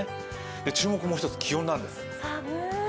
注目もう１つ、気温なんです。